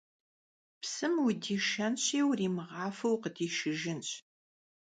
Psım vudişşenşi, vurimığafeu vukhıdişşıjjınş.